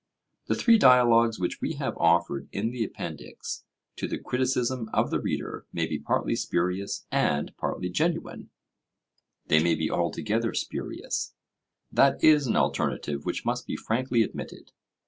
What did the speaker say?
The three dialogues which we have offered in the Appendix to the criticism of the reader may be partly spurious and partly genuine; they may be altogether spurious; that is an alternative which must be frankly admitted.